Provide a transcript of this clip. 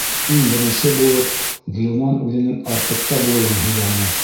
Иң беренсе булып Ғилман үҙенең «Артек»та булыуын һөйләне.